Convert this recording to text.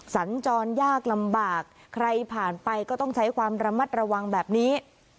สัญจรยากลำบากใครผ่านไปก็ต้องใช้ความระมัดระวังแบบนี้